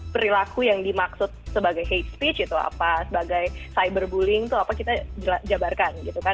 perilaku yang dimaksud sebagai hate speech itu apa sebagai cyberbullying itu apa kita jabarkan gitu kan